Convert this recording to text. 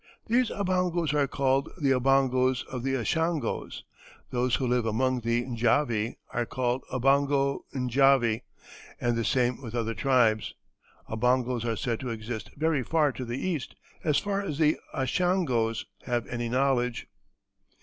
These Obongos are called the Obongos of the Ashangos; those who live among the Njavi are called Obongo Njavi, and the same with other tribes. Obongos are said to exist very far to the east, as far as the Ashangos have any knowledge."